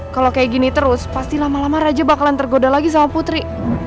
kalau kayak gini terus pasti lama lama raja bakalan tergoda lagi sama putri